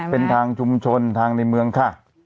เป็นทางชุมชนทางในเมืองค่ะ